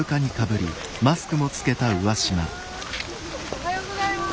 おはようございます。